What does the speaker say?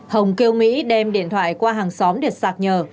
hồng kêu mỹ đem điện thoại qua hàng xóm để sạc nhờ